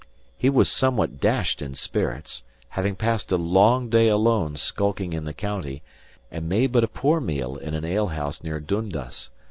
He was somewhat dashed in spirits, having passed a long day alone skulking in the county, and made but a poor meal in an alehouse near Dundas.